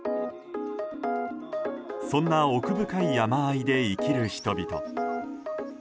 そんな奥深い山あいで生きる人々。